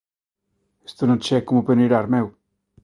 Isto non che é como peneirar, meu!